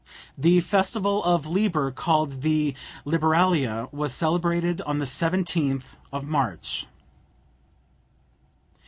The festival of Liber, called the Liberalia, was celebrated on the 17th of March.